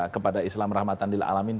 kepada islam rahmatan dila alamin